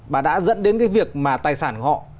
bà đã dẫn đến cái việc mà tài sản của họ